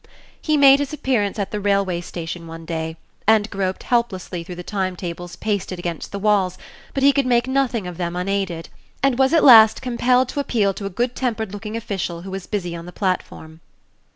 He made his appearance at the railway station one day, and groped helplessly through all the time tables pasted against the walls; but he could make nothing of them unaided, and was at last compelled to appeal to a good tempered looking official who was busy on the platform.